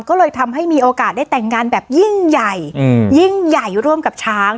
ก็เลยทำให้มีโอกาสได้แต่งงานแบบยิ่งใหญ่ยิ่งใหญ่ร่วมกับช้าง